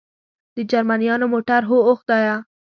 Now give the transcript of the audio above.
د جرمنیانو موټر؟ هو، اوه خدایه.